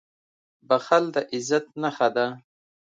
• بښل د عزت نښه ده.